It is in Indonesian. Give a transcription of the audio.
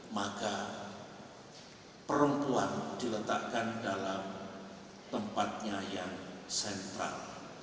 maka perempuan diletakkan dalam tempatnya yang sentral